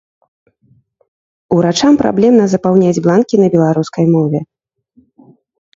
Урачам праблемна запаўняць бланкі на беларускай мове.